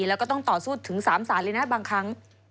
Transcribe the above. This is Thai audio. แล้วก็ต้องต่อสู้ถึง๓ศาลเลยนะบางครั้ง